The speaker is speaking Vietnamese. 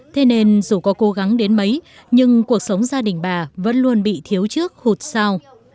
thế nên dù có cố gắng đến mấy nhưng cuộc sống gia đình bà vẫn luôn bị thiếu trước hụt sau